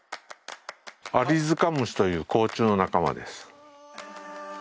アリヅカムシという甲虫の仲間です。